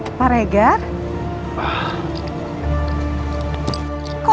kok pak reger malah nyamperin saya disini pak